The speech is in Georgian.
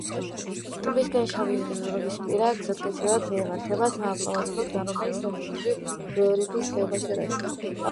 ტბისკენ შავიზღვისპირა გზატკეცილიდან მიემართება საავტომობილო გზა, რომელიც ნაწილობრივ ბზიფის ხეობაში გადის.